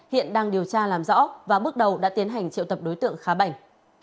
hiện đang điều tra làm rõ và bước đầu đã tiến hành triệu tập đối tượng khá bảnh